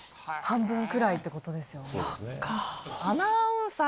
半分くらいってことですよね。